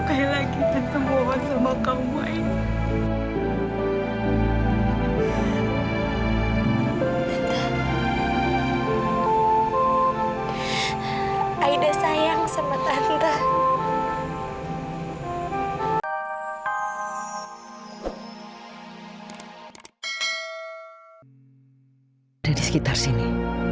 dari sekitar sini